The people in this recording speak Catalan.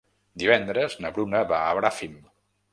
Divendres na Bruna va a Bràfim.